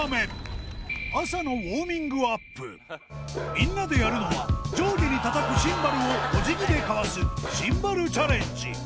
みんなでやるのは上下にたたくシンバルをお辞儀でかわすシンバルチャレンジ